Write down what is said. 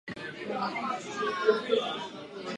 Tyto faktory určují vnější pohyb člověka.